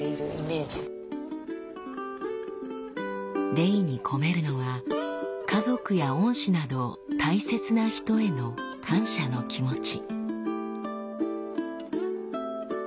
レイに込めるのは家族や恩師など大切な人への感謝の気持ち。